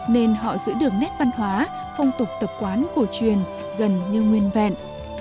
nên họ giữ được nét văn hóa phong tục tập quán cổ truyền gần như nguyên vẹn